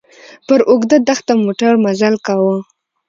پر اوږده دښته موټر مزل کاوه.